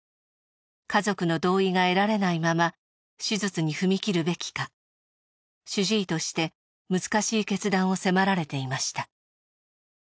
家族の同意が得られないまま手術に踏み切るべきか主治医として難しい決断を迫られていました。